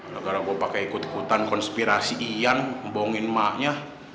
malah gara gara gua pakai ikut ikutan konspirasi iyan membohongin ma nya